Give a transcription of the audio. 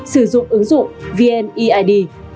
ba sử dụng ứng dụng vneid